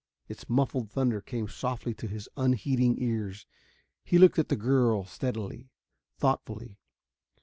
Its muffled thunder came softly to his unheeding ears. He looked at the girl steadily, thoughtfully.